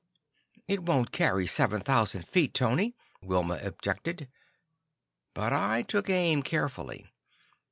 "It won't carry seven thousand feet, Tony," Wilma objected. But I took aim carefully.